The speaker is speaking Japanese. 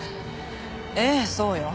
ええそうよ。